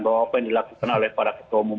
bahwa apa yang dilakukan oleh para ketua umum